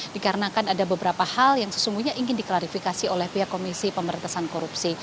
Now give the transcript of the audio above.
dikarenakan ada beberapa hal yang sesungguhnya ingin diklarifikasi oleh pihak komisi pemerintahan korupsi